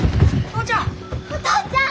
お父ちゃん！